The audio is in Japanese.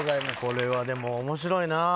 これはでも面白いなあ